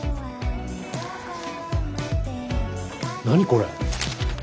何これ？